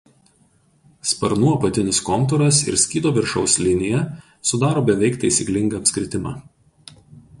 Sparnų apatinis kontūras ir skydo viršaus linija sudaro beveik taisyklingą apskritimą.